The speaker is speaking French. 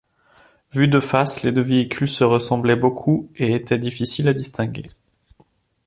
Vus de face, les deux véhicules se ressemblaient beaucoup et étaient difficiles à distinguer.